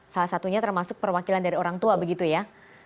salah satunya termasuk perwakilan dari orang tua begitu ya